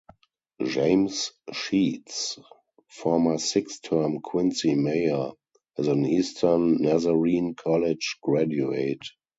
James Sheets, former six-term Quincy mayor, is an Eastern Nazarene College graduate.